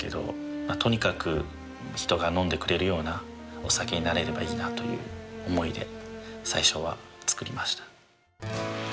まあとにかく人が飲んでくれるようなお酒になればいいなという思いで最初は造りました。